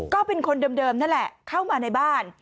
ก็เป็นคนเดิมนั่นแหละเข้ามาในบ้าน